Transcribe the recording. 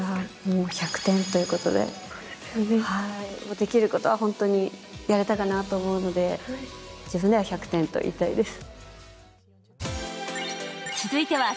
できることは本当にやれたかなと思うので自分では１００点と言いたいです。